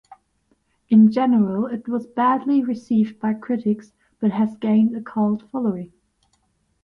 In general it was badly received by critics but has gained a cult following.